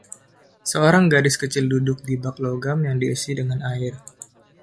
Seorang gadis kecil duduk di bak logam yang diisi dengan air.